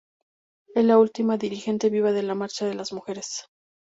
Es la última dirigente viva de la Marcha de las Mujeres.